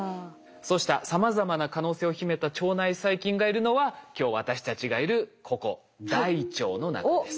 そうしたさまざまな可能性を秘めた腸内細菌がいるのは今日私たちがいるここ大腸の中です。